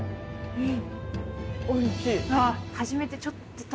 うん！